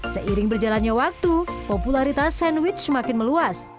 seiring berjalannya waktu popularitas sandwich semakin meluas